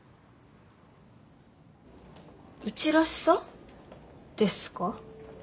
うちらしさですか？